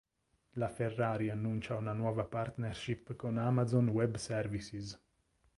La Ferrari annuncia una nuova partnership con Amazon Web Services.